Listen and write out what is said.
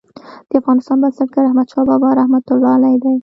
د افغانستان بنسټګر احمدشاه بابا رحمة الله علیه دی.